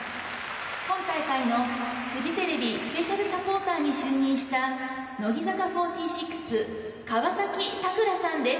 本大会のフジテレビスペシャルサポーターに就任した乃木坂４６、川崎桜さんです。